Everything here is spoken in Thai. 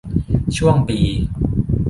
ช่วงปี